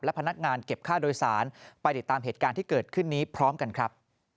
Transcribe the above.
พนักงานเก็บค่าโดยสารไปติดตามเหตุการณ์ที่เกิดขึ้นนี้พร้อมกันครับ